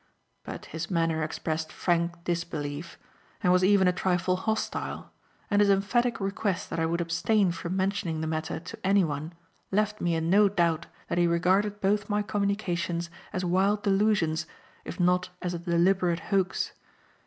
But his manner expressed frank disbelief, and was even a trifle hostile; and his emphatic request that I would abstain from mentioning the matter to anyone left me in no doubt that he regarded both my communications as wild delusions if not as a deliberate hoax.